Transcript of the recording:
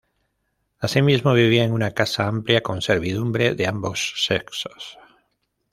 Asimismo, vivía en una casa amplia con servidumbre de ambos sexos.